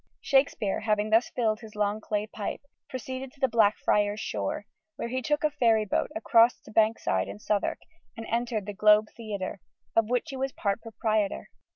Shakespeare, having thus filled his long clay pipe, proceeded to the Blackfriars shore, where he took a ferry boat across to Bankside in Southwark and entered the Globe Theatre, of which he was part proprietor.